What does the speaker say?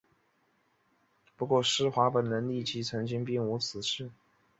不过施华本人立刻澄清并无此事。